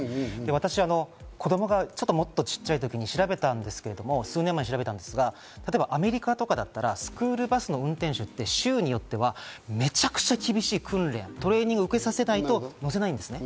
私は子供がもっと小さい時に調べたんですけど、数年間に調べたんですけど、アメリカとかだったらスクールバスの運転手って州によってはめちゃくちゃ厳しい訓練、トレーニングを受けさせないと乗せないんです。